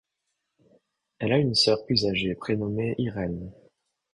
Elle a une sœur plus âgée prénommée Irène.